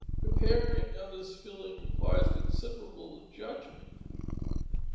The preparing of this filling requires considerable judgment.